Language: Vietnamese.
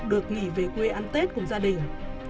được nghỉ về quê ăn tết cùng gia đình